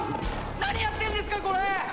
何やってんですかこれ！